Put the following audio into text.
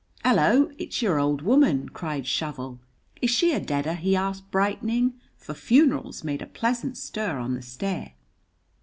"Hello, it's your old woman!" cried Shovel. "Is she a deader?" he asked, brightening, for funerals made a pleasant stir on the stair.